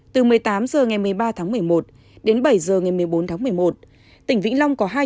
từ một mươi tám giờ ngày một mươi ba tháng một mươi một đến bảy giờ ngày một mươi bốn tháng một mươi một